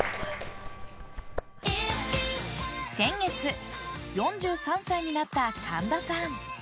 先月４３歳になった神田さん！